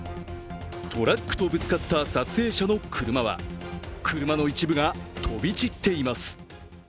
トラックとぶつかった撮影者の車は車の一部が飛び散っています。